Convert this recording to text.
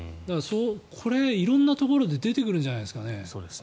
これ、色んなところで出てくるんじゃないですかね。